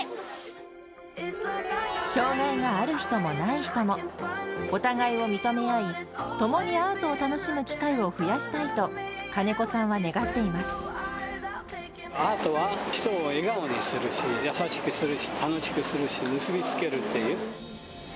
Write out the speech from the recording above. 障がいがある人もない人も、お互いを認め合い、共にアートを楽しむ機会を増やしたいと、アートは人を笑顔にするし、優しくするし、楽しくするし、結び付けるっていう。